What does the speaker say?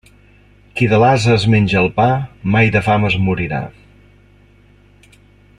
Qui de l'ase es menja el pa, mai de fam es morirà.